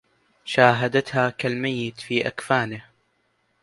شاهدتها كالميت في أكفانه